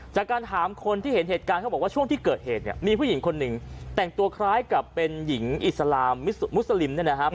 จากการถามคนที่เห็นเหตุการณ์เขาบอกว่าช่วงที่เกิดเหตุเนี่ยมีผู้หญิงคนหนึ่งแต่งตัวคล้ายกับเป็นหญิงอิสลามมุสลิมเนี่ยนะครับ